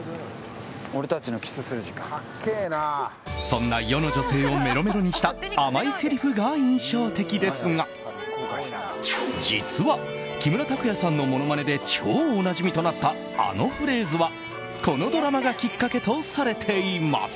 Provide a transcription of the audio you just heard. そんな世の女性をメロメロにした甘いせりふが印象的ですが実は木村拓哉さんのものまねで超おなじみとなったあのフレーズは、このドラマがきっかけとされています。